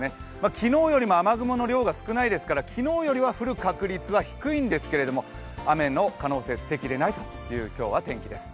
昨日よりも雨雲の量が少ないですから昨日よりは降る確率は低いんですけれども、雨の可能性、捨てきれないという今日の天気です。